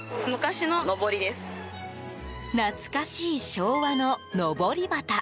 懐かしい昭和の、のぼり旗。